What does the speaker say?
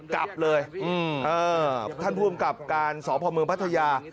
กลับเลยอืมเออท่านผู้หญิงกลับการสอบภอมเมืองพัทยา